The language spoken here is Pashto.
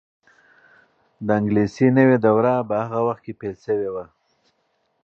د انګلیسي نوې دوره په هغه وخت کې پیل شوې وه.